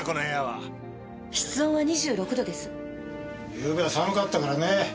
昨夜は寒かったからね。